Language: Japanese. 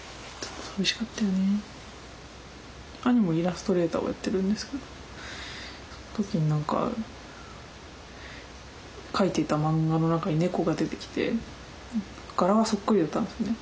兄もイラストレーターをやってるんですけどその時に何か描いていた漫画の中に猫が出てきて柄がそっくりだったんですね。